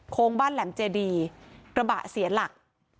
บ้านแหลมเจดีกระบะเสียหลัก